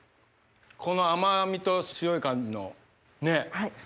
この甘みと塩い感じのねっ。